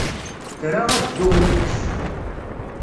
Tra ad dduɣ yid-s.